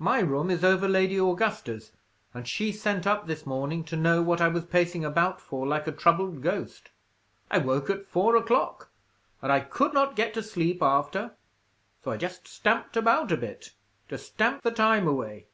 My room is over Lady Augusta's, and she sent up this morning to know what I was pacing about for, like a troubled ghost. I woke at four o'clock, and I could not get to sleep after; so I just stamped about a bit, to stamp the time away."